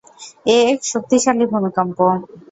এ এক শক্তিশালী ভূমিকম্প!